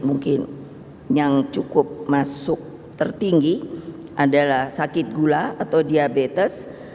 mungkin yang cukup masuk tertinggi adalah sakit gula atau diabetes